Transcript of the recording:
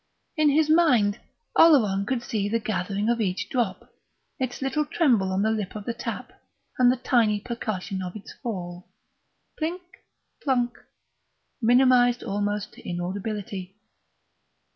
In his mind Oleron could see the gathering of each drop, its little tremble on the lip of the tap, and the tiny percussion of its fall, "Plink plunk," minimised almost to inaudibility.